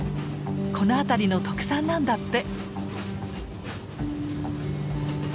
この辺りの特産なんだって。